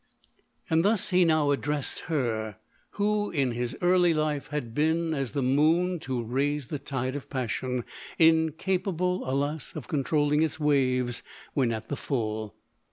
And thus he now addressed LODORK. 177 her, who, in his early life, had been as the moon to raise the tide of passion, incapable, alas ! of controlling its waves when at the full.